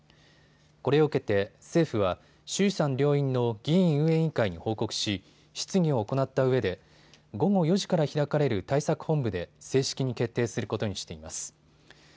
これを受けて政府は衆参両院の議院運営委員会に報告し、質疑を行ったうえで午後４時から開かれる対策本部で正式に決定することにしています。